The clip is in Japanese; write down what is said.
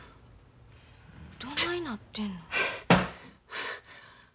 どないなってんの？